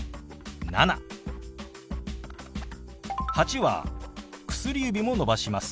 「８」は薬指も伸ばします。